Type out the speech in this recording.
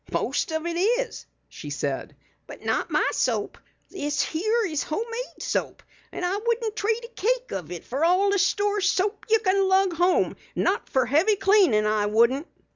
"Most of it is," she said, "but not my soap. This here is homemade soap and I wouldn't trade a cake of it for all the store soap ye can lug home not for heavy cleanin', I wouldn't."